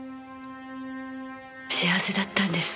幸せだったんです。